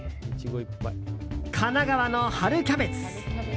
神奈川の春キャベツ。